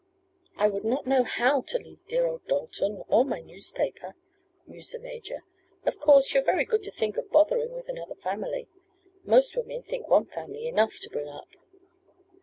"I would not know how to leave dear old Dalton or my newspaper," mused the major. "Of course you are very good to think of bothering with another family. Most women think one family enough to bring up."